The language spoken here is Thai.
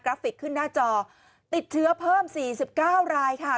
กราฟิกขึ้นหน้าจอติดเทือเพิ่ม๔๙รายค่ะ